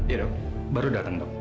iya dok baru datang dok